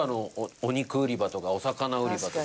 お肉売り場とかお魚売り場とか。